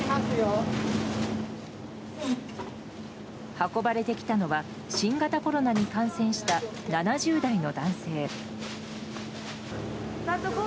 運ばれてきたのは新型コロナに感染した７０代の男性。